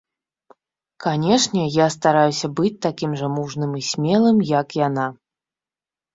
Канечне, я стараюся быць такім жа мужным і смелым, як яна.